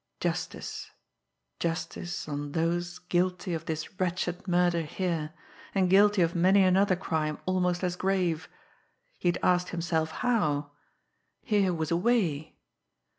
Justice... justice on those guilty of this wretched murder here, and guilty of many another crime almost as grave...he had asked himself how...here was a way...